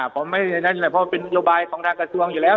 ผมไม่ได้ในนั้นเลยเพราะเป็นระบายของทางกระทรวงอยู่แล้ว